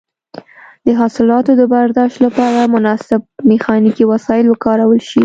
د حاصلاتو د برداشت لپاره مناسب میخانیکي وسایل وکارول شي.